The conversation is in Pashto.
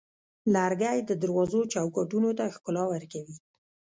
لرګی د دروازو چوکاټونو ته ښکلا ورکوي.